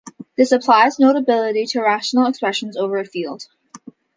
This applies notably to rational expressions over a field.